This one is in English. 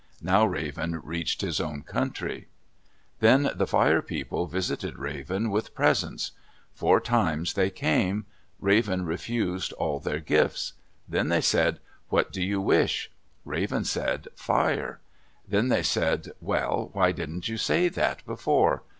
Now Raven reached his own country. Then the Fire People visited Raven with presents. Four times they came; Raven refused all their gifts. Then they said, "What do you wish?" Raven said, "Fire." Then they said, "Well, why didn't you say that before?"